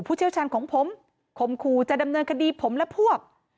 เชี่ยวชาญของผมคมขู่จะดำเนินคดีผมและพวก